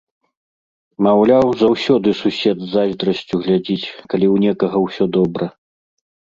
Маўляў, заўсёды сусед з зайздрасцю глядзіць, калі ў некага ўсё добра.